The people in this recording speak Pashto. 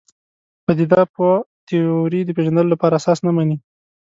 پدیده پوه تیورۍ د پېژندلو لپاره اساس نه مني.